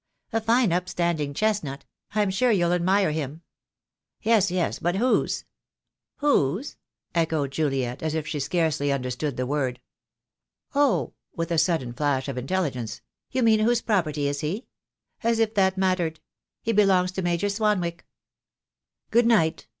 "A fine upstanding chestnut; I'm sure you'll admire him?" "Yes, yes, but whose?" "Whose?" echoed Juliet, as if she scarcely understood the word. "Oh," with a sudden flash of intelligence; "you mean whose property is he? As if that mattered! He belongs to Major Swanwick." "Good night!"